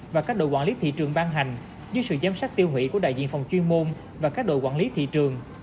và các đội quản lý thị trường ban hành dưới sự giám sát tiêu hủy của đại diện phòng chuyên môn và các đội quản lý thị trường